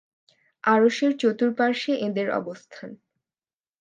আরশের চতুর্পার্শ্বে এঁদের অবস্থান।